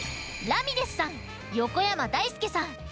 ラミレスさん横山だいすけさん